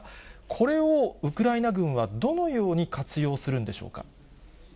これをウクライナ軍はどのように活用するんでしょうか。